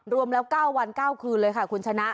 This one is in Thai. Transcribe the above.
รวมแล้ว๙วัน๙คืนเลยค่ะคุณชนะ